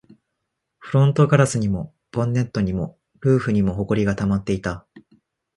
フロントガラスにも、ボンネットにも、ルーフにも埃が溜まっていた